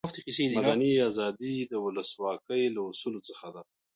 مدني آزادي د ولسواکي له اصولو څخه ده.